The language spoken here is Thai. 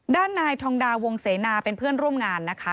ด้านนายทองดาวงเสนาเป็นเพื่อนร่วมงานนะคะ